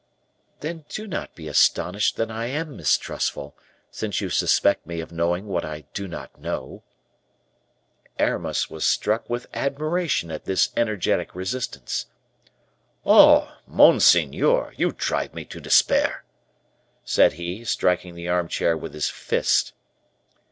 "Then do not be astonished that I am mistrustful, since you suspect me of knowing what I do not know." Aramis was struck with admiration at this energetic resistance. "Oh, monseigneur! you drive me to despair," said he, striking the armchair with his fist.